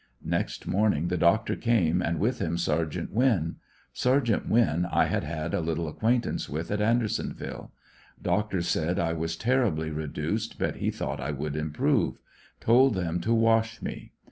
Next morning the doctor came, and with him Sergt. Winn. Sergt Winn I had had a little acquaintance with at Andersonville Doctor said I was terri bly reduced, but he thought I would improve. Told them to wash me.